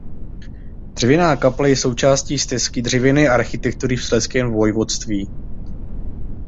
Dřevěná kaple je součástí Stezky dřevěné architektury v Slezském vojvodství.